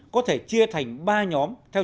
có thể chia thành ba nhóm theo